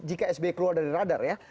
jika sby keluar dari radar ya